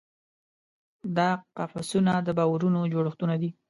دا قفسونه د باورونو جوړښتونه دي.